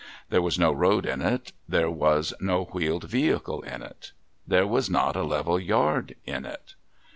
There was no road in it, there was no wheeled vehicle in it, there was not a level yard in it.